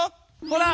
ほら！